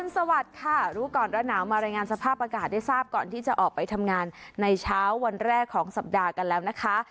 สวัสดีค่ะรู้ก่อนร้อนหนาวมารายงานสภาพอากาศได้ทราบก่อนที่จะออกไปทำงานในเช้าวันแรกของสัปดาห์กันแล้วนะคะ